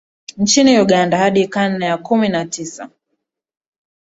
nchini Uganda hadi karne ya kumi na tisa